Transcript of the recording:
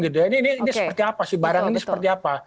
ini seperti apa sih barang ini seperti apa